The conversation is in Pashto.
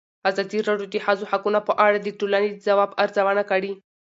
ازادي راډیو د د ښځو حقونه په اړه د ټولنې د ځواب ارزونه کړې.